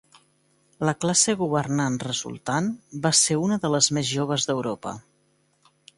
La classe governant resultant va ser una de les més joves d'Europa.